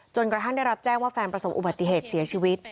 กระทั่งได้รับแจ้งว่าแฟนประสบอุบัติเหตุเสียชีวิต